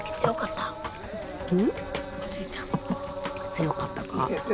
強かったか？